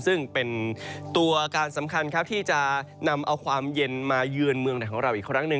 ซึ่งเป็นตัวการสำคัญครับที่จะนำเอาความเย็นมาเยือนเมืองไทยของเราอีกครั้งหนึ่ง